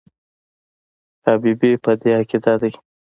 حبیبي په دې عقیده دی.